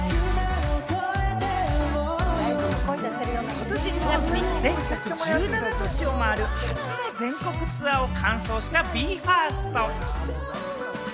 ことし２月に全国１７都市を回る初の全国ツアーを完走したＢＥ：ＦＩＲＳＴ。